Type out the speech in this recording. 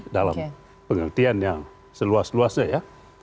dalam pengertian yang seluas luasnya ya